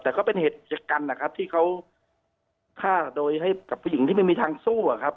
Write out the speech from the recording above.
แต่ก็เป็นเหตุชะกันนะครับที่เขาฆ่าโดยให้กับผู้หญิงที่ไม่มีทางสู้อะครับ